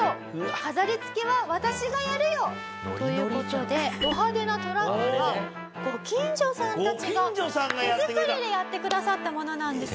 「飾り付けは私がやるよ」という事でど派手なトラックはご近所さんたちが手作りでやってくださったものなんです。